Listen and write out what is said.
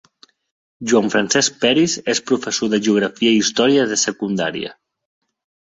Joan Francesc Peris és professor de Geografia i Història de Secundària.